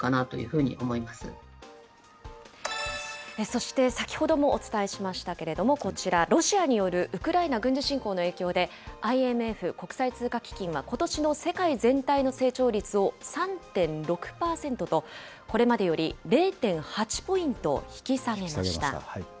そして、先ほどもお伝えしましたけれども、こちら、ロシアによるウクライナ軍事侵攻の影響で、ＩＭＦ・国際通貨基金はことしの世界全体の成長率を３．６％と、これまでより０．８ポイント引き下げました。